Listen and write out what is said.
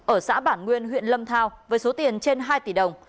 ở xã bản nguyên huyện lâm thao với số tiền trên hai tỷ đồng